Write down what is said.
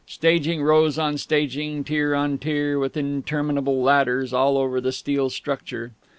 Staging rose on staging, tier on tier, with interminable ladders all over the steel structure.